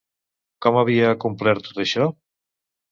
Com havia acomplert tot això?